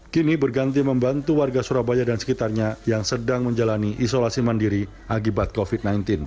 kini berganti membantu warga surabaya dan sekitarnya yang sedang menjalani isolasi mandiri akibat covid sembilan belas